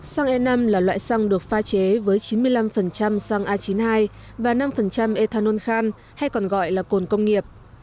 xăng e năm là loại xăng được pha chế với chín mươi năm xăng a chín mươi hai và năm ethanol hay còn gọi là cồn công nghiệp